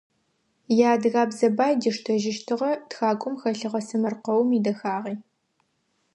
Иадыгабзэ бай диштэжьыщтыгъэ тхакӏом хэлъыгъэ сэмэркъэум идэхагъи.